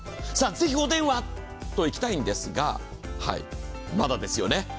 ぜひお電話といきたんですがまだですよね。